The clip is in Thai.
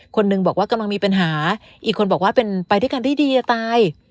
คนหนึ่งบอกว่ากำลังมีปัญหาอีกคนบอกว่าเป็นไปด้วยกันได้ดีจะตาย